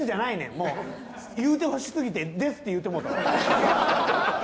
もう言うてほしすぎてですって言うてもうた。